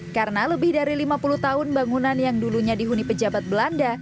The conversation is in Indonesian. karena lebih dari lima puluh tahun bangunan yang dulunya dihuni pejabat belanda